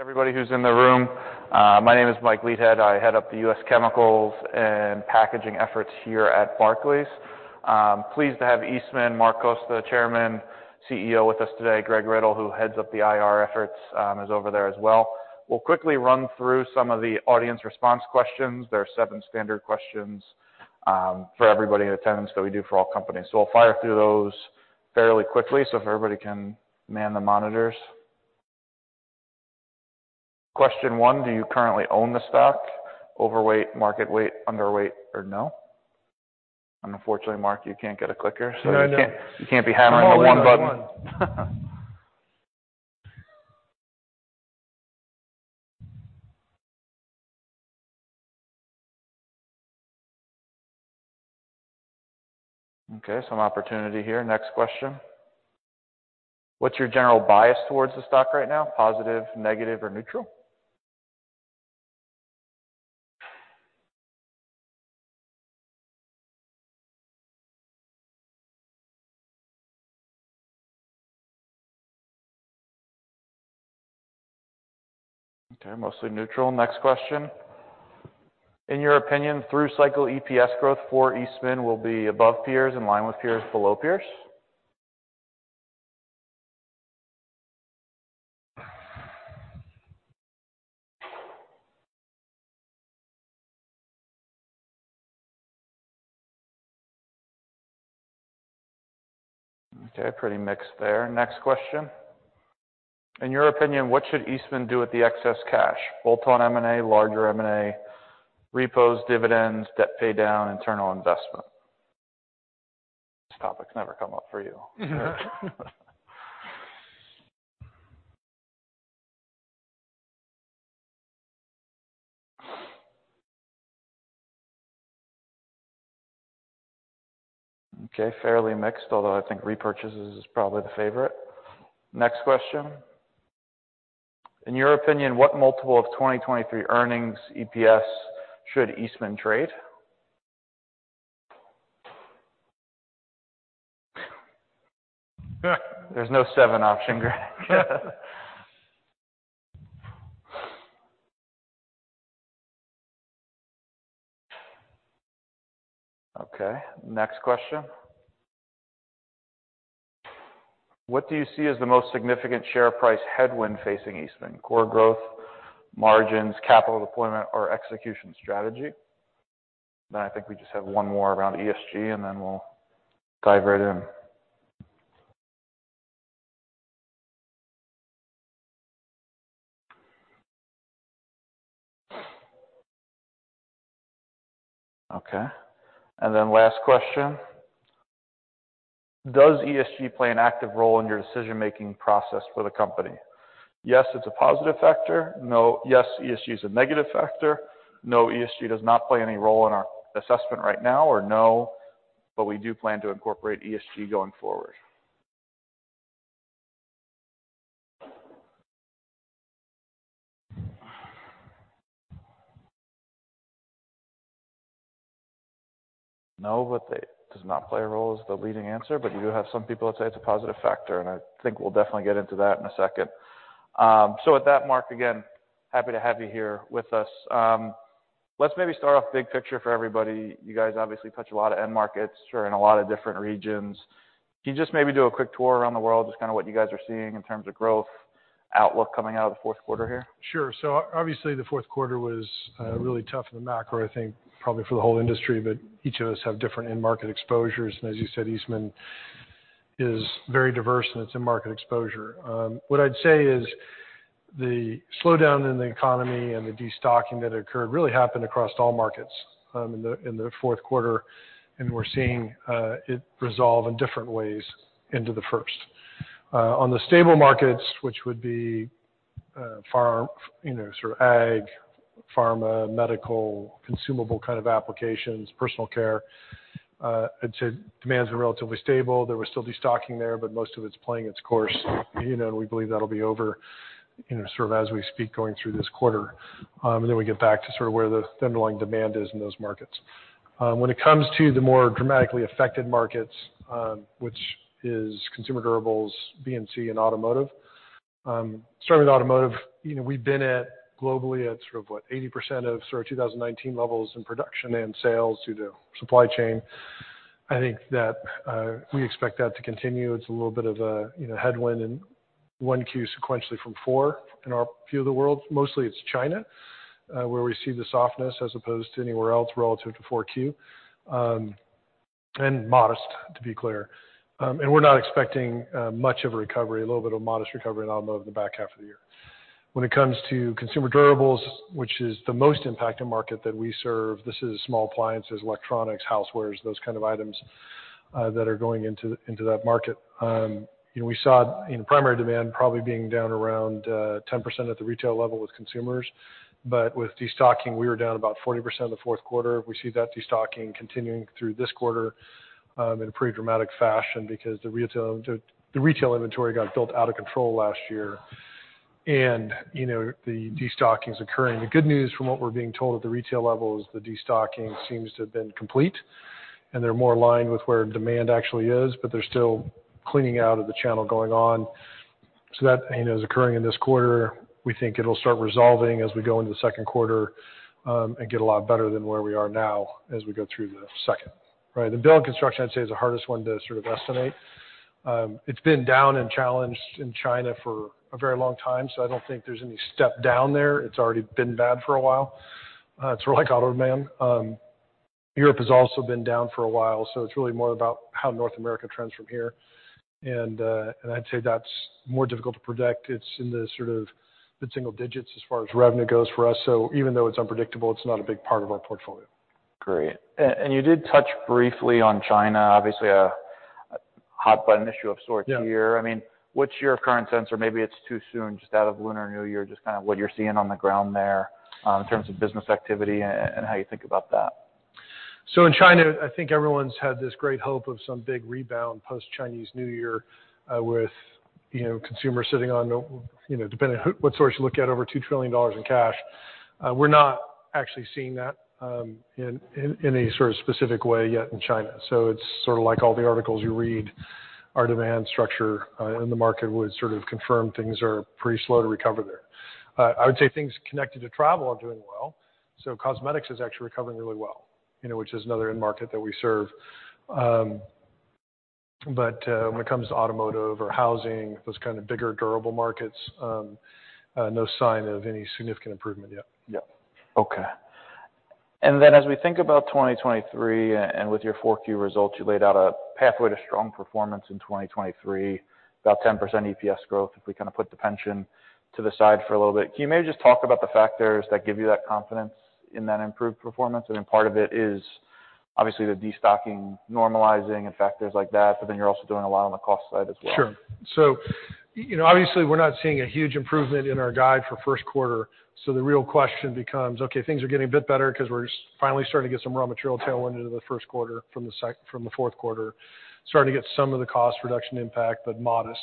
Everybody who's in the room, my name is Mike Leithead. I head up the U.S. Chemicals and Packaging efforts here at Barclays. Pleased to have Mark Costa, the Chairman, CEO with us today. Greg Riddle, who heads up the IR efforts, is over there as well. We'll quickly run through some of the audience response questions. There are seven standard questions for everybody in attendance that we do for all companies. We'll fire through those fairly quickly so if everybody can man the monitors. Question one, do you currently own the stock? Overweight, market weight, underweight, or no? Unfortunately, Mark, you can't get a clicker. No, I know. You can't be having the one button. Okay, some opportunity here. Next question. What's your general bias towards the stock right now? Positive, negative, or neutral? Okay, mostly neutral. Next question. In your opinion, through cycle EPS growth for Eastman will be above peers, in line with peers, below peers? Okay, pretty mixed there. Next question. In your opinion, what should Eastman do with the excess cash? Bolt-on M&A, larger M&A, repos, dividends, debt pay down, internal investment. This topic's never come up for you. Okay, fairly mixed, although I think repurchase is probably the favorite. Next question. In your opinion, what multiple of 2023 earnings EPS should Eastman trade? There's no seven option, Greg. Okay, next question. What do you see as the most significant share price headwind facing Eastman? Core growth, margins, capital deployment, or execution strategy? I think we just have one more around ESG, and then we'll dive right in. Okay. Last question. Does ESG play an active role in your decision-making process for the company? Yes, it's a positive factor. Yes, ESG is a negative factor. No, ESG does not play any role in our assessment right now. No, but we do plan to incorporate ESG going forward. No, but it does not play a role as the leading answer, but you do have some people that say it's a positive factor, and I think we'll definitely get into that in a second. With that, Mark, again, happy to have you here with us. Let's maybe start off big picture for everybody. You guys obviously touch a lot of end markets or in a lot of different regions. Can you just maybe do a quick tour around the world, just kinda what you guys are seeing in terms of growth outlook coming out of the fourth quarter here? Sure. Obviously, the fourth quarter was really tough in the macro, I think probably for the whole industry, but each of us have different end market exposures. As you said, Eastman is very diverse, and it's in market exposure. What I'd say is the slowdown in the economy and the destocking that occurred really happened across all markets in the fourth quarter, and we're seeing it resolve in different ways into the first. On the stable markets, which would be, you know, sort of ag, pharma, medical, consumable kind of applications, personal care, demands are relatively stable. There was still destocking there, but most of it's playing its course. You know, we believe that'll be over, you know, sort of as we speak, going through this quarter. Then we get back to sort of where the underlying demand is in those markets. When it comes to the more dramatically affected markets, which is consumer durables, BNC and automotive. Starting with automotive, you know, we've been at globally at sort of what 80% of sort of 2019 levels in production and sales due to supply chain. I think that we expect that to continue. It's a little bit of a, you know, headwind in 1Q sequentially from 4Q in our view of the world. Mostly it's China, where we see the softness as opposed to anywhere else relative to 4Q, and modest to be clear. We're not expecting much of a recovery. A little bit of modest recovery in automotive in the back half of the year. When it comes to consumer durables, which is the most impacted market that we serve, this is small appliances, electronics, housewares, those kind of items, that are going into that market. you know, we saw in primary demand probably being down around, 10% at the retail level with consumers. With destocking, we were down about 40% in the fourth quarter. We see that destocking continuing through this quarter, in a pretty dramatic fashion because the retail inventory got built out of control last year. you know, the destocking is occurring. The good news from what we're being told at the retail level is the destocking seems to have been complete. They're more aligned with where demand actually is, but they're still cleaning out of the channel going on. That, you know, is occurring in this quarter. We think it'll start resolving as we go into the second quarter, and get a lot better than where we are now as we go through the second. Right. The Building & Construction, I'd say, is the hardest one to estimate. It's been down and challenged in China for a very long time. I don't think there's any step down there. It's already been bad for a while. It's like auto, man. Europe has also been down for a while. It's really more about how North America trends from here. I'd say that's more difficult to predict. It's in the mid-single digits as far as revenue goes for us. Even though it's unpredictable, it's not a big part of our portfolio. Great. You did touch briefly on China, obviously a hot button issue of sorts here. Yeah. I mean, what's your current sense, or maybe it's too soon, just out of Lunar New Year, just kind of what you're seeing on the ground there, in terms of business activity and how you think about that? In China, I think everyone's had this great hope of some big rebound post-Chinese New Year, with, you know, consumers sitting on, you know, depending who-what source you look at, over $2 trillion in cash. We're not actually seeing that, in any sort of specific way yet in China. It's sort of like all the articles you read. Our demand structure, in the market would sort of confirm things are pretty slow to recover there. I would say things connected to travel are doing well. Cosmetics is actually recovering really well, you know, which is another end market that we serve. But, when it comes to automotive or housing, those kind of bigger durable markets, no sign of any significant improvement yet. Yep. Okay. As we think about 2023 and with your 4Q results, you laid out a pathway to strong performance in 2023, about 10% EPS growth, if we kind of put the pension to the side for a little bit. Can you maybe just talk about the factors that give you that confidence in that improved performance? Part of it is obviously the destocking normalizing and factors like that, you're also doing a lot on the cost side as well. Sure. You know, obviously, we're not seeing a huge improvement in our guide for first quarter. The real question becomes, okay, things are getting a bit better because we're finally starting to get some raw material tailwind into the first quarter from the fourth quarter. Starting to get some of the cost reduction impact, but modest.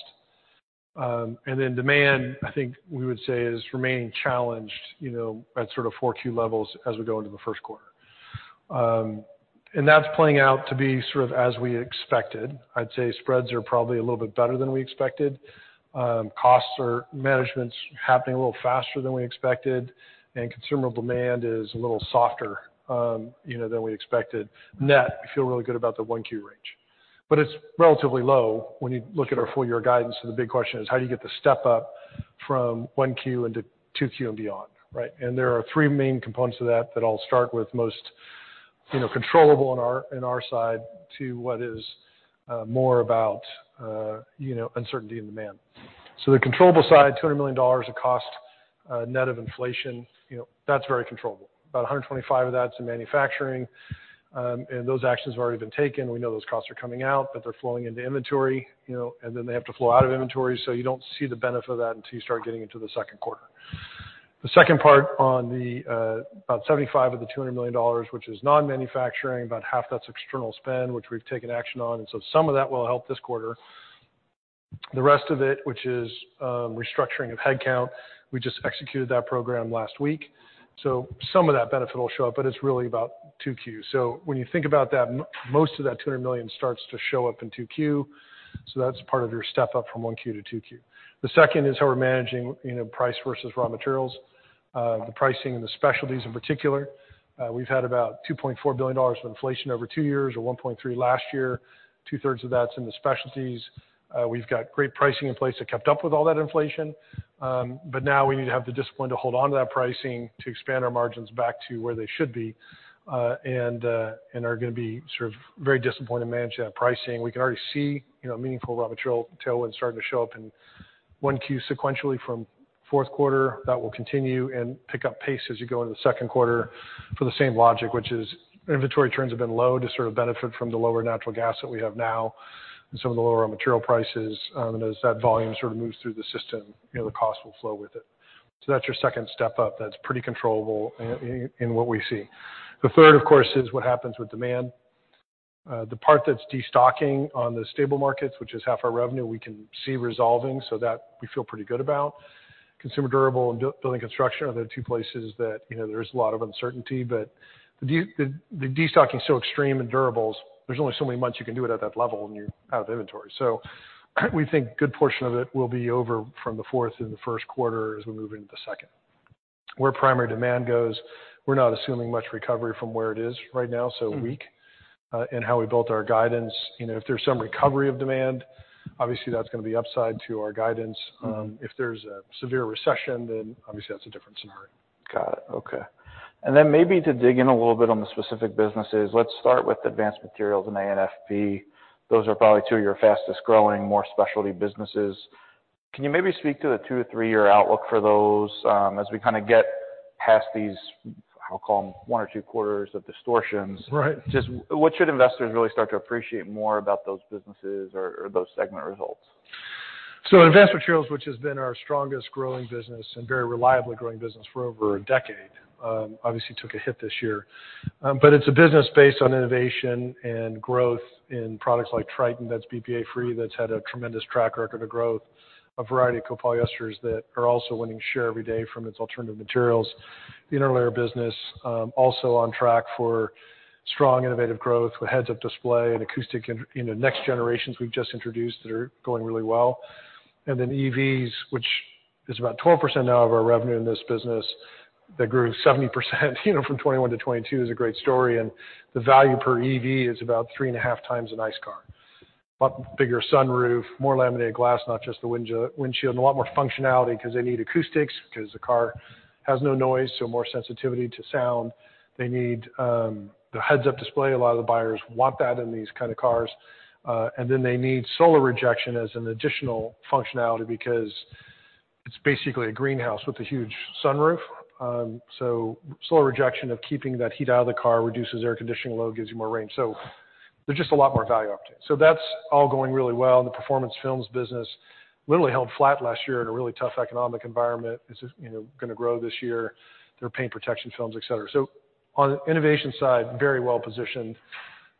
Demand, I think we would say, is remaining challenged, you know, at sort of 4Q levels as we go into the first quarter. That's playing out to be sort of as we expected. I'd say spreads are probably a little bit better than we expected. Costs or management's happening a little faster than we expected, and consumer demand is a little softer, you know, than we expected. Net, we feel really good about the 1Q range. It's relatively low when you look at our full year guidance. The big question is, how do you get the step up from 1Q into 2Q and beyond, right? There are three main components of that that I'll start with most, you know, controllable in our, in our side to what is more about, you know, uncertainty in demand. The controllable side, $200 million of cost, net of inflation, you know, that's very controllable. About $125 million of that's in manufacturing, and those actions have already been taken. We know those costs are coming out, but they're flowing into inventory, you know, and then they have to flow out of inventory, so you don't see the benefit of that until you start getting into the second quarter. The second part on the about $75 of the $200 million, which is non-manufacturing, about half that's external spend, which we've taken action on. Some of that will help this quarter. The rest of it, which is restructuring of headcount, we just executed that program last week, so some of that benefit will show up, but it's really about 2Q. When you think about that, most of that $200 million starts to show up in 2Q, that's part of your step up from 1Q to 2Q. The second is how we're managing, you know, price versus raw materials. The pricing and the specialties in particular. We've had about $2.4 billion of inflation over two years, or $1.3 billion last year. Two-thirds of that's in the specialties. We've got great pricing in place that kept up with all that inflation. Now we need to have the discipline to hold onto that pricing to expand our margins back to where they should be, and are gonna be very disciplined in managing that pricing. We can already see, you know, meaningful raw material tailwind starting to show up in 1Q sequentially from fourth quarter. That will continue and pick up pace as you go into the second quarter for the same logic, which is inventory trends have been low to benefit from the lower natural gas that we have now and some of the lower raw material prices. As that volume moves through the system, you know, the cost will flow with it. That's your second step up. That's pretty controllable in what we see. Third, of course, is what happens with demand. The part that's destocking on the stable markets, which is half our revenue, we can see resolving, so that we feel pretty good about. Consumer durable and building construction are the two places that, you know, there's a lot of uncertainty. The destocking is so extreme in durables, there's only so many months you can do it at that level and you're out of inventory. We think good portion of it will be over from the fourth and the first quarter as we move into the second. Where primary demand goes, we're not assuming much recovery from where it is right now, so weak, in how we built our guidance. You know, if there's some recovery of demand, obviously that's gonna be upside to our guidance. If there's a severe recession, obviously that's a different scenario. Got it. Okay. Maybe to dig in a little bit on the specific businesses, let's start with Advanced Materials and AFP. Those are probably two of your fastest-growing, more specialty businesses. Can you maybe speak to the two to three-year outlook for those, as we kind of get past these, I'll call them one or two quarters of distortions? Right. Just what should investors really start to appreciate more about those businesses or those segment results? Advanced Materials, which has been our strongest growing business and very reliably growing business for over a decade, obviously took a hit this year. But it's a business based on innovation and growth in products like Tritan that's BPA-free, that's had a tremendous track record of growth. A variety of copolymers that are also winning share every day from its alternative materials. The interlayers business, also on track for strong innovative growth with head-up display and acoustic in, you know, next generations we've just introduced that are going really well. EVs, which is about 12% now of our revenue in this business, that grew 70%, you know, from 2021 to 2022 is a great story. The value per EV is about 3.5x an ICE car. Lot bigger sunroof, more laminated glass, not just the windshield, and a lot more functionality 'cause they need acoustics, 'cause the car has no noise, so more sensitivity to sound. They need the head-up display. A lot of the buyers want that in these kind of cars. They need solar rejection as an additional functionality because it's basically a greenhouse with a huge sunroof. Solar rejection of keeping that heat out of the car reduces air conditioning load, gives you more range. There's just a lot more value opportunity. That's all going really well, and the performance films business literally held flat last year in a really tough economic environment. This is, you know, gonna grow this year, their paint protection films, et cetera. On innovation side, very well positioned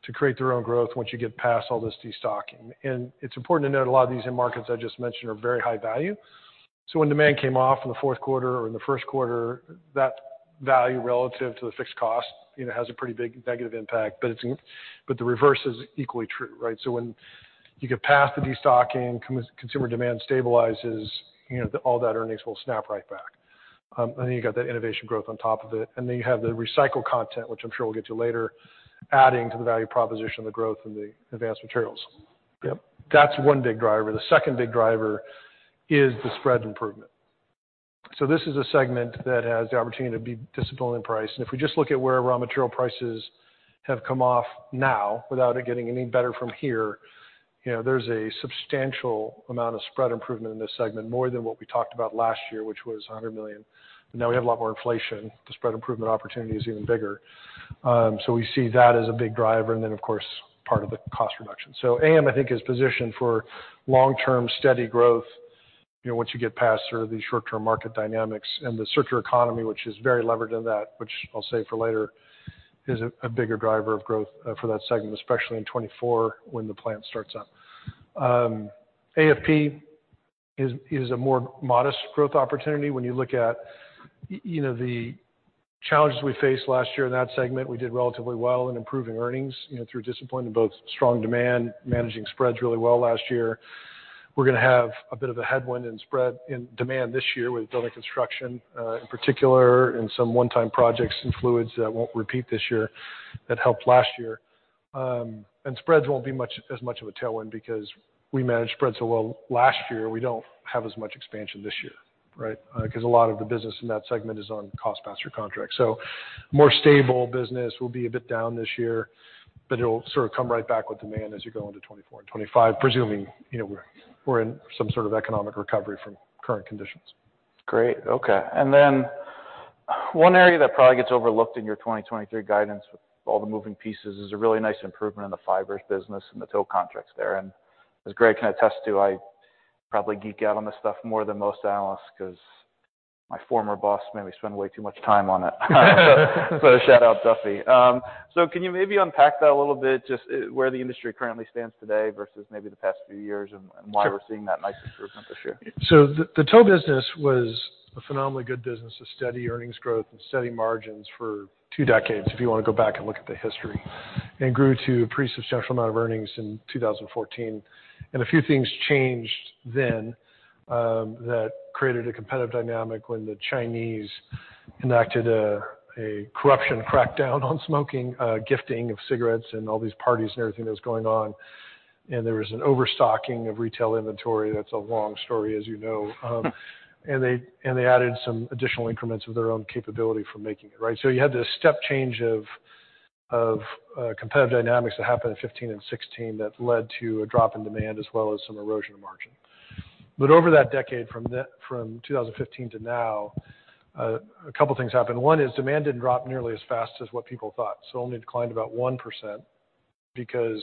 to create their own growth once you get past all this destocking. It's important to note a lot of these end markets I just mentioned are very high value. When demand came off in the fourth quarter or in the first quarter, that value relative to the fixed cost, you know, has a pretty big negative impact. But the reverse is equally true, right? When you get past the destocking, consumer demand stabilizes, you know, all that earnings will snap right back. Then you've got that innovation growth on top of it. Then you have the recycled content, which I'm sure we'll get to later, adding to the value proposition of the growth in the Advanced Materials. Yep. That's one big driver. The second big driver is the spread improvement. This is a segment that has the opportunity to be disciplined in price. If we just look at where raw material prices have come off now, without it getting any better from here, you know, there's a substantial amount of spread improvement in this segment, more than what we talked about last year, which was $100 million. We have a lot more inflation, the spread improvement opportunity is even bigger. We see that as a big driver and then, of course, part of the cost reduction. AM, I think, is positioned for long-term steady growth, you know, once you get past sort of these short-term market dynamics. The circular economy, which is very levered in that, which I'll save for later, is a bigger driver of growth for that segment, especially in 2024 when the plant starts up. AFP is a more modest growth opportunity. When you look at, you know, the challenges we faced last year in that segment, we did relatively well in improving earnings, you know, through discipline in both strong demand, managing spreads really well last year. We're gonna have a bit of a headwind in demand this year with building construction in particular, and some one-time projects in fluids that won't repeat this year that helped last year. Spreads won't be as much of a tailwind because we managed spreads so well last year, we don't have as much expansion this year, right? 'Cause a lot of the business in that segment is on cost-plus or contract. More stable business will be a bit down this year, but it'll sort of come right back with demand as you go into 2024 and 2025, presuming, you know, we're in some sort of economic recovery from current conditions. Great. Okay. One area that probably gets overlooked in your 2023 guidance with all the moving pieces is a really nice improvement in the fibers business and the tow contracts there. As Greg can attest to, I probably geek out on this stuff more than most analysts 'cause my former boss made me spend way too much time on it. Shout out, Duffy. Can you maybe unpack that a little bit, just where the industry currently stands today versus maybe the past few years and why we're seeing that nice improvement this year? The tow business was a phenomenally good business of steady earnings growth and steady margins for two decades, if you wanna go back and look at the history. It grew to a pretty substantial amount of earnings in 2014. A few things changed then, that created a competitive dynamic when the Chinese enacted a corruption crackdown on smoking, gifting of cigarettes and all these parties and everything that was going on. There was an overstocking of retail inventory. That's a long story, as you know. They added some additional increments of their own capability for making it, right? You had this step change of competitive dynamics that happened in 2015 and 2016 that led to a drop in demand as well as some erosion of margin. Over that decade from from 2015 to now, a couple of things happened. One is demand didn't drop nearly as fast as what people thought. Only declined about 1% because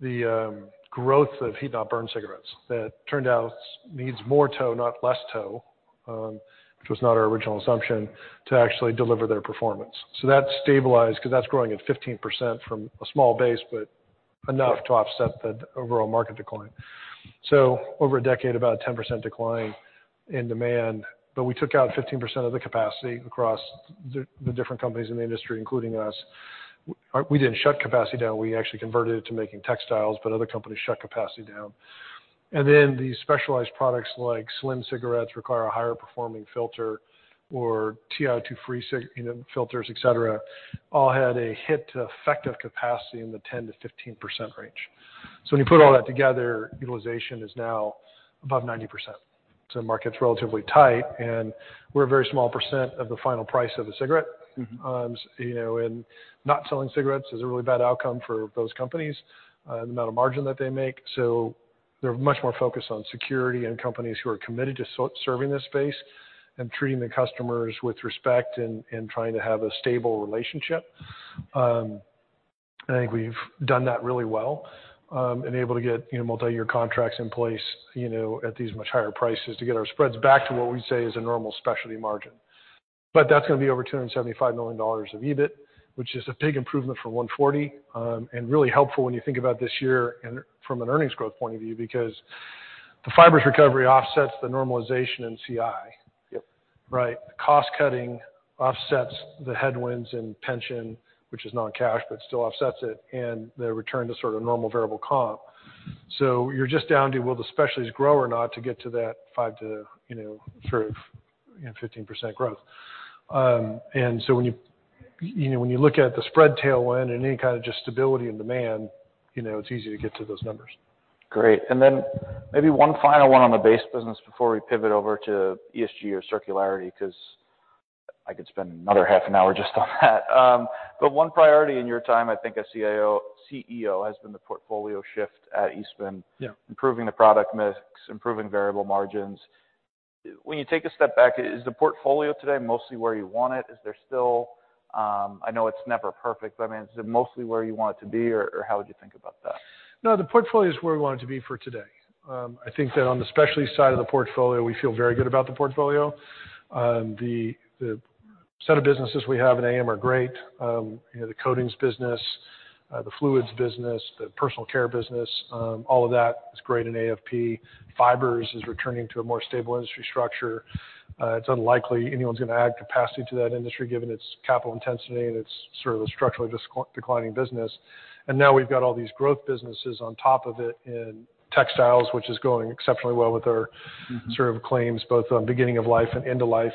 the growth of heat-not-burn cigarettes that turned out needs more tow, not less tow, which was not our original assumption, to actually deliver their performance. That stabilized 'cause that's growing at 15% from a small base, but enough to offset the overall market decline. Over a decade, about a 10% decline in demand, but we took out 15% of the capacity across the different companies in the industry, including us. We didn't shut capacity down. We actually converted it to making textiles, but other companies shut capacity down. These specialized products like slim cigarettes require a higher performing filter or TiO2-free, you know, filters, et cetera, all had a hit to effective capacity in the 10%-15% range. When you put all that together, utilization is now above 90%. The market's relatively tight, and we're a very small percent of the final price of a cigarette. Mm-hmm. you know, and not selling cigarettes is a really bad outcome for those companies, and the amount of margin that they make. They're much more focused on security and companies who are committed to serving this space and treating the customers with respect and trying to have a stable relationship. I think we've done that really well, and able to get, you know, multi-year contracts in place, you know, at these much higher prices to get our spreads back to what we'd say is a normal specialty margin. That's gonna be over $275 million of EBIT, which is a big improvement from $140 million, and really helpful when you think about this year and from an earnings growth point of view, because. The fibers recovery offsets the normalization in CI. Yep. Right. Cost cutting offsets the headwinds and pension, which is non-cash, but still offsets it and the return to sort of normal variable comp. You're just down to will the specialties grow or not to get to that five to, you know, sort of, you know, 15% growth. When you know, when you look at the spread tailwind and any kind of just stability and demand, you know, it's easy to get to those numbers. Great. Maybe one final one on the base business before we pivot over to ESG or circularity, 'cause I could spend another half an hour just on that. One priority in your time, I think as CEO has been the portfolio shift at Eastman. Yeah. Improving the product mix, improving variable margins. When you take a step back, is the portfolio today mostly where you want it? Is there still, I know it's never perfect, but I mean, is it mostly where you want it to be or how would you think about that? No, the portfolio is where we want it to be for today. I think that on the specialty side of the portfolio, we feel very good about the portfolio. The set of businesses we have in AM are great. you know, the coatings business, the fluids business, the personal care business, all of that is great in AFP. Fibers is returning to a more stable industry structure. It's unlikely anyone's gonna add capacity to that industry, given its capital intensity, and it's sort of a structurally dis-declining business. Now we've got all these growth businesses on top of it in textiles, which is going exceptionally well with our sort of claims, both on beginning of life and end of life,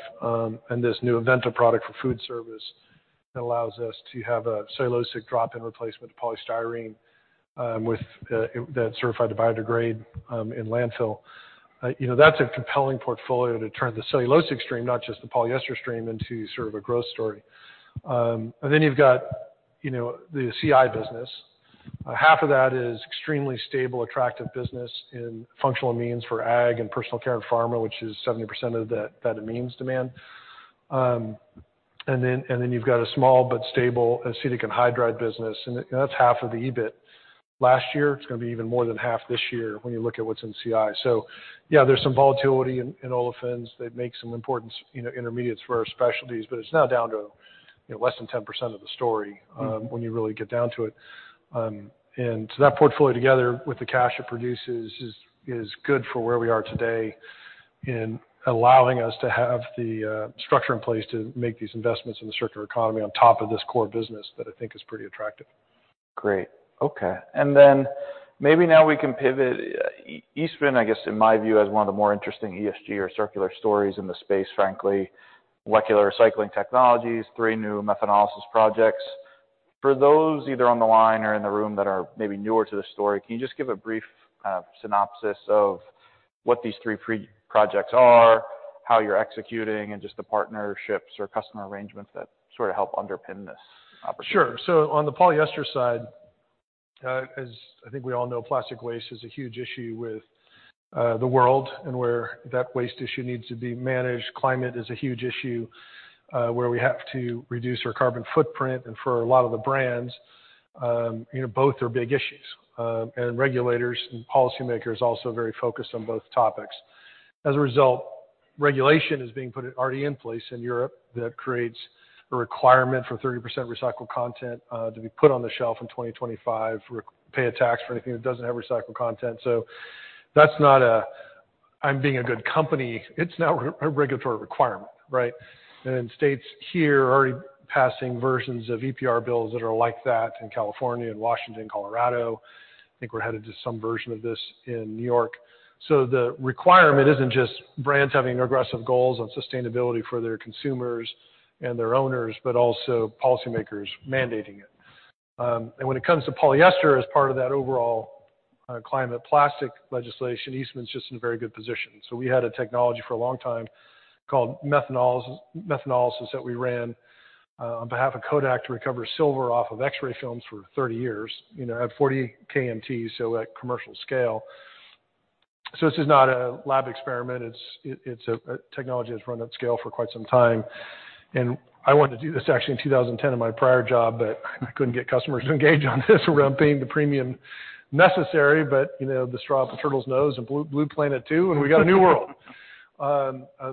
and this new Aventa product for food service that allows us to have a cellulosic drop-in replacement polystyrene, with that's certified to biodegrade in landfill. You know, that's a compelling portfolio to turn the cellulosic stream, not just the polyester stream, into sort of a growth story. Then you've got, you know, the CI business. Half of that is extremely stable, attractive business in functional amines for ag and personal care and pharma, which is 70% of that amines demand. Then you've got a small but stable acetic anhydride business, and that's half of the EBIT last year. It's gonna be even more than half this year when you look at what's in CI. Yeah, there's some volatility in olefins that make some important, you know, intermediates for our specialties, but it's now down to, you know, less than 10% of the story, when you really get down to it. That portfolio, together with the cash it produces, is good for where we are today in allowing us to have the structure in place to make these investments in the circular economy on top of this core business that I think is pretty attractive. Great. Okay. Maybe now we can pivot. Eastman, I guess, in my view, has one of the more interesting ESG or circular stories in the space, frankly. Molecular recycling technologies, three new methanolysis projects. For those either on the line or in the room that are maybe newer to the story, can you just give a brief synopsis of what these three projects are, how you're executing, and just the partnerships or customer arrangements that sort of help underpin this opportunity? Sure. On the polyester side, as I think we all know, plastic waste is a huge issue with the world and where that waste issue needs to be managed. Climate is a huge issue, where we have to reduce our carbon footprint. For a lot of the brands, you know, both are big issues. Regulators and policymakers also very focused on both topics. As a result, regulation is being put already in place in Europe that creates a requirement for 30% recycled content to be put on the shelf in 2025, pay a tax for anything that doesn't have recycled content. That's not a, "I'm being a good company." It's now a regulatory requirement, right? States here are already passing versions of EPR bills that are like that in California and Washington, Colorado. I think we're headed to some version of this in New York. The requirement isn't just brands having aggressive goals on sustainability for their consumers and their owners, but also policymakers mandating it. When it comes to polyester as part of that overall climate plastic legislation, Eastman's just in a very good position. We had a technology for a long time called methanolysis that we ran on behalf of Kodak to recover silver off of X-ray films for 30 years, you know, at 40 KMT, so at commercial scale. This is not a lab experiment. It's a technology that's run at scale for quite some time. I wanted to do this actually in 2010 in my prior job, I couldn't get customers to engage on this around paying the premium necessary. You know, the straw up a turtle's nose and Blue Planet II, and we got a new world.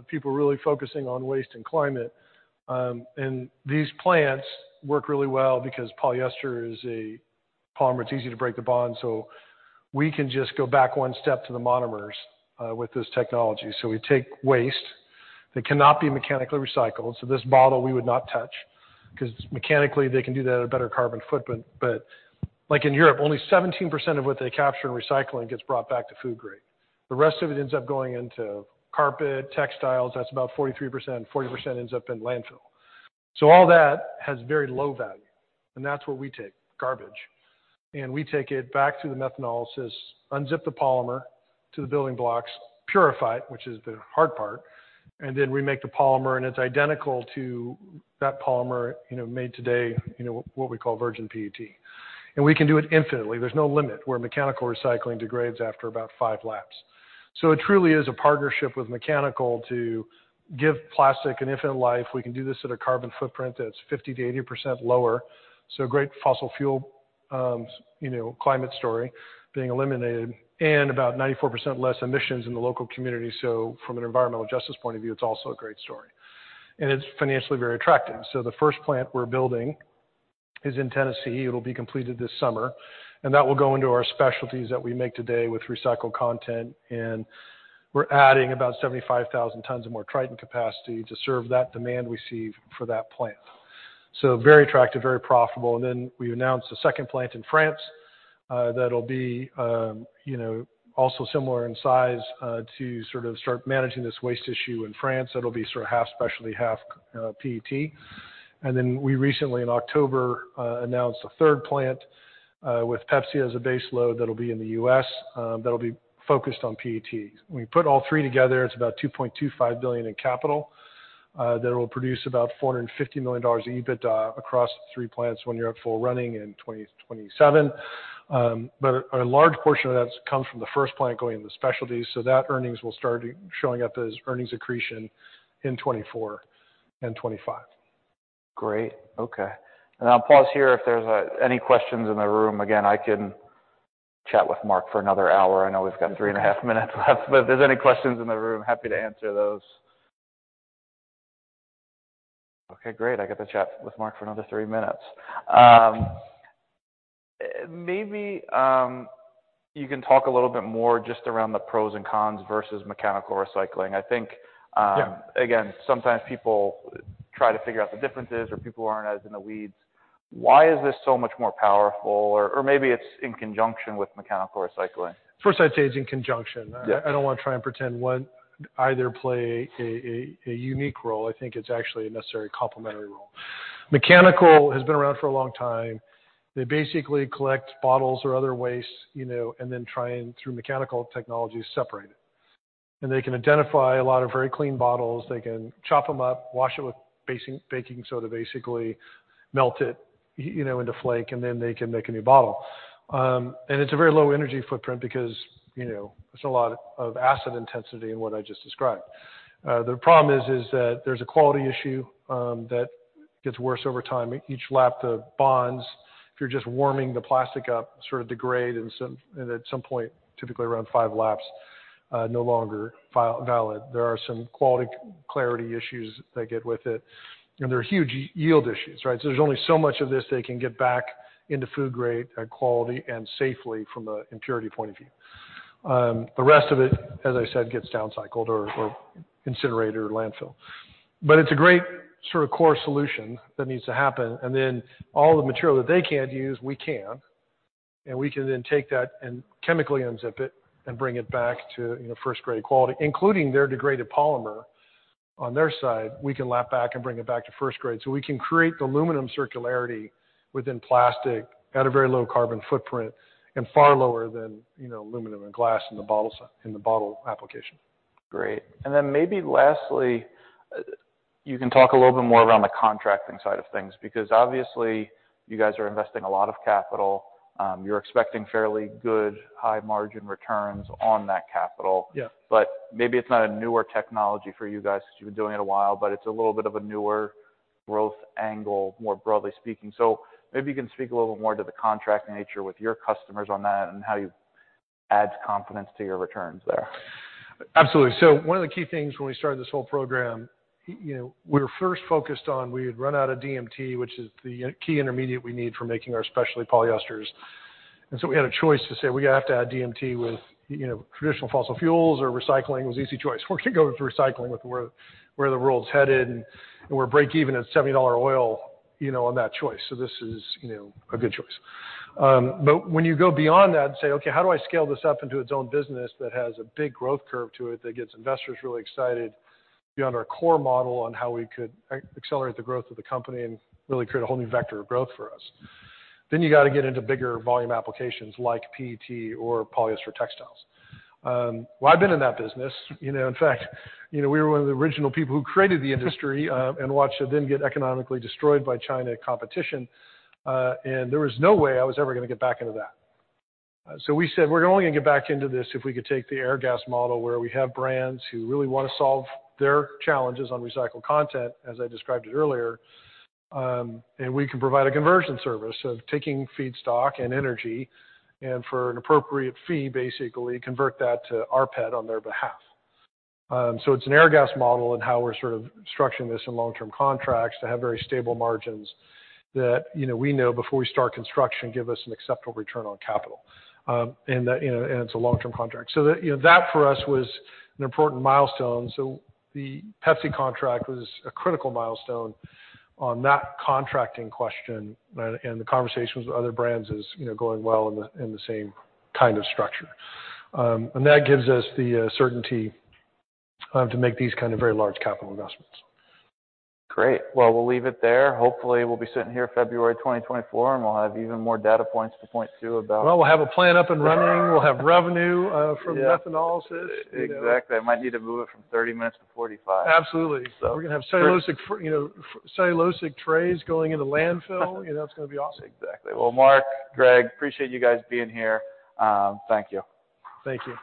People really focusing on waste and climate. These plants work really well because polyester is a polymer. It's easy to break the bond, we can just go back 1 step to the monomers with this technology. We take waste that cannot be mechanically recycled. This bottle we would not touch 'cause mechanically they can do that at a better carbon footprint. Like in Europe, only 17% of what they capture in recycling gets brought back to food grade. The rest of it ends up going into carpet, textiles, that's about 43%. 40% ends up in landfill. All that has very low value, and that's what we take, garbage. We take it back to the methanolysis, unzip the polymer to the building blocks, purify it, which is the hard part, and then we make the polymer, and it's identical to that polymer, you know, made today, you know, what we call virgin PET. We can do it infinitely. There's no limit, where mechanical recycling degrades after about 5 laps. It truly is a partnership with mechanical to give plastic an infinite life. We can do this at a carbon footprint that's 50%-80% lower, great fossil fuel, you know, climate story being eliminated and about 94% less emissions in the local community. From an environmental justice point of view, it's also a great story. It's financially very attractive. The first plant we're building is in Tennessee. It'll be completed this summer. That will go into our specialties that we make today with recycled content, and we're adding about 75,000 tons of more Tritan capacity to serve that demand we see for that plant. Very attractive, very profitable. We announced a second plant in France, that'll be, you know, also similar in size to sort of start managing this waste issue in France. That'll be sort of half specialty, half PET. We recently in October announced a third plant with PepsiCo as a base load that'll be in the U.S., that'll be focused on PET. When you put all three together, it's about $2.25 billion in capital that will produce about $450 million in EBITDA across the three plants when you're at full running in 2027. A large portion of that's come from the first plant going into specialties, so that earnings will start showing up as earnings accretion in 2024 and 2025. Great. Okay. I'll pause here if there's any questions in the room. I can chat with Mark for another hour. I know we've got three and a half minutes left, but if there's any questions in the room, happy to answer those. Okay, great. I get to chat with Mark for another three minutes. Maybe you can talk a little bit more just around the pros and cons versus mechanical recycling. I think. Yeah. Again, sometimes people try to figure out the differences or people aren't as in the weeds. Why is this so much more powerful? Maybe it's in conjunction with mechanical recycling. First, I'd say it's in conjunction. Yeah. I don't wanna try and pretend either play a unique role. I think it's actually a necessary complementary role. Mechanical has been around for a long time. They basically collect bottles or other waste, you know, and then try and through mechanical technology separate it. They can identify a lot of very clean bottles. They can chop them up, wash it with baking soda, basically melt it, you know, into flake, and then they can make a new bottle. It's a very low energy footprint because, you know, there's a lot of acid intensity in what I just described. The problem is that there's a quality issue that gets worse over time. Each lap, the bonds, if you're just warming the plastic up, sort of degrade and at some point, typically around five laps, no longer valid. There are some quality clarity issues that get with it, and there are huge yield issues, right? There's only so much of this they can get back into food grade quality and safely from an impurity point of view. The rest of it, as I said, gets downcycled or incinerated or landfilled. It's a great sort of core solution that needs to happen. Then all the material that they can't use, we can. We can then take that and chemically unzip it and bring it back to, you know, first-grade quality, including their degraded polymer. On their side, we can lap back and bring it back to first grade. We can create the aluminum circularity within plastic at a very low carbon footprint and far lower than, you know, aluminum and glass in the bottle in the bottle application. Great. Maybe lastly, you can talk a little bit more around the contracting side of things, because obviously you guys are investing a lot of capital. You're expecting fairly good high margin returns on that capital. Yeah. Maybe it's not a newer technology for you guys because you've been doing it a while, but it's a little bit of a newer growth angle, more broadly speaking. Maybe you can speak a little more to the contract nature with your customers on that and how you adds confidence to your returns there. Absolutely. One of the key things when we started this whole program, you know, we were first focused on we had run out of DMT, which is the key intermediate we need for making our specialty polyesters. We had a choice to say, we have to add DMT with, you know, traditional fossil fuels or recycling. It was easy choice. We're gonna go with recycling with where the world's headed and we're break even at $70 oil, you know, on that choice. This is, you know, a good choice. When you go beyond that and say, "Okay, how do I scale this up into its own business that has a big growth curve to it, that gets investors really excited beyond our core model on how we could accelerate the growth of the company and really create a whole new vector of growth for us?" You gotta get into bigger volume applications like PET or polyester textiles. I've been in that business, you know, in fact, you know, we were one of the original people who created the industry, and watched it then get economically destroyed by China competition. There was no way I was ever gonna get back into that. We said, we're only gonna get back into this if we could take the Airgas model, where we have brands who really wanna solve their challenges on recycled content, as I described it earlier, and we can provide a conversion service of taking feedstock and energy and for an appropriate fee, basically convert that to rPET on their behalf. It's an Airgas model and how we're sort of structuring this in long-term contracts to have very stable margins that, you know, we know before we start construction, give us an acceptable return on capital. That, you know, and it's a long-term contract. That, you know, that for us was an important milestone. The Pepsi contract was a critical milestone on that contracting question. The conversations with other brands is, you know, going well in the same kind of structure. That gives us the certainty to make these kind of very large capital investments. Great. Well, we'll leave it there. Hopefully, we'll be sitting here February 2024, and we'll have even more data points to point to about-. Well, we'll have a plant up and running. We'll have revenue from methanolysis. Exactly. I might need to move it from 30 minutes to 45. Absolutely. We're gonna have cellulosic, you know, cellulosic trays going into landfill. You know, it's gonna be awesome. Exactly. Well, Mark, Greg, appreciate you guys being here. Thank you. Thank you.